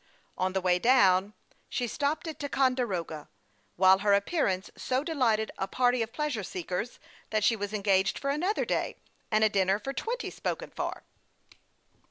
On the way down, she stopped at Ticonde roga, while her appearance so delighted a party of pleasure seekers that she was engaged for another day, and a dinner for twenty spoken for.